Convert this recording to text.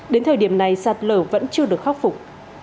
đến thời điểm này sạt lở vẫn chưa được khắc phục